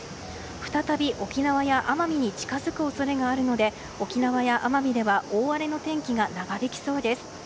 再び沖縄や奄美に近づく恐れがあるので沖縄や奄美では大荒れの天気が長引きそうです。